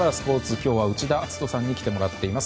今日は内田篤人さんに来てもらっています。